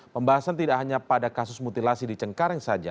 pembahasan tidak hanya pada kasus mutilasi di cengkareng saja